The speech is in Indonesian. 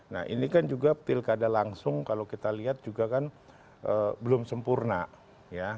nah ini kan juga pilkada langsung kalau kita lihat juga kan belum sempurna ya